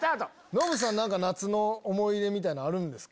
ノブさん夏の思い出みたいなんあるんですか？